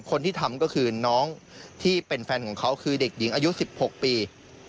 คนที่ทำก็คือน้องที่เป็นแฟนของเขาคือเด็กหญิงอายุ๑๖ปี